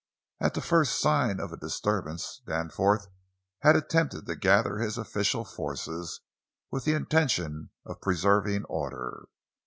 At the first sign of a disturbance, Danforth had attempted to gather his official forces with the intention of preserving order.